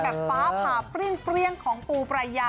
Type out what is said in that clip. กับฟ้าผ่าปริ้งเจแกร่งของปูประยะ